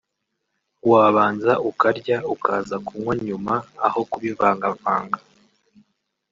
wabanza ukarya ukaza kunywa nyuma aho kubivangavanga